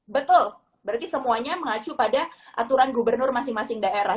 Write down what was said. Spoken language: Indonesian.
betul berarti semuanya mengacu pada aturan gubernur masing masing daerah